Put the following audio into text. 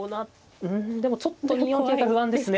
うんでもちょっと２四桂が不安ですね。